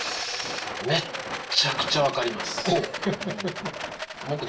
めっちゃくちゃ分かります。